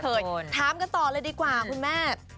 ถามกันต่อเลยดีกว่าคุณแม่